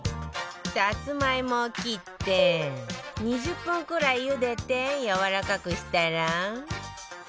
さつまいもを切って２０分くらいゆでてやわらかくしたら